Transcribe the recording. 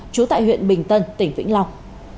chú tại huyện bình tân tỉnh vĩnh long